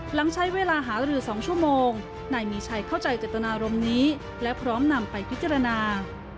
หลังใช้เวลาหารือ๒ชั่วโมงนายมีชัยเข้าใจเจตนารมณ์นี้และพร้อมนำไปพิจารณา